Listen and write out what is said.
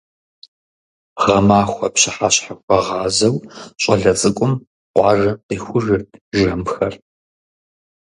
Гъэмахуэ пщыхьэщхьэхуэгъазэу щӏалэ цӏыкӏум къуажэм къихужырт жэмхэр.